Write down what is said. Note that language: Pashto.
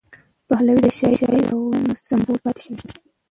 پهلوي د شاهي پلویانو سمبول پاتې شوی.